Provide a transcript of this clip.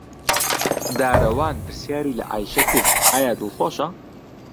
دارەوان پرسیاری لە عایشە کرد ئایا دڵخۆشە.